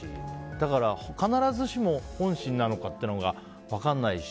だから必ずしも本心なのかというのは分からないし。